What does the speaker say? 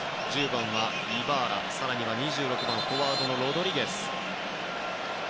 １０番はイバーラ、２６番はフォワードのロドリゲス。